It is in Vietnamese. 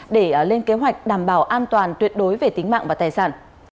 để lên kế hoạch đảm bảo an toàn tuyệt đối về tính mạng và tài sản